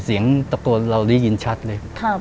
เสียงตะโกนเราได้ยินชัดเลย